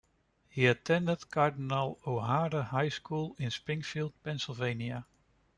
He attended Cardinal O'Hara High School in Springfield, Pennsylvania.